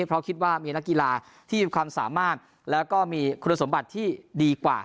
เพราะคิดว่ามีนักกีฬาที่มีความสามารถแล้วก็มีคุณสมบัติที่ดีกว่า